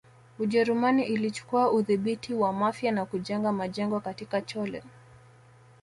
Ujerumani ilichukua udhibiti wa Mafia na kujenga majengo katika Chole